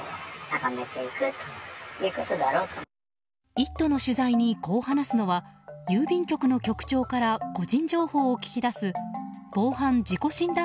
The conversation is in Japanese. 「イット！」の取材にこう話すのは郵便局の局長から個人情報を聞き出す防犯自己診断